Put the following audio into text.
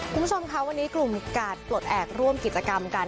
คุณผู้ชมค่ะวันนี้กลุ่มกาดปลดแอบร่วมกิจกรรมกัน